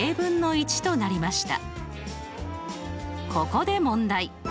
ここで問題。